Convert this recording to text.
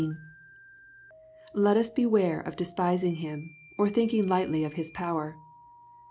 Let us beware of despising him, or thinking lightly of his power.